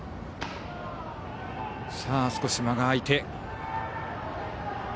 さあ、少し間が空いて。